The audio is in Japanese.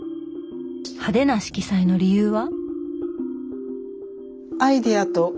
派手な色彩の理由は。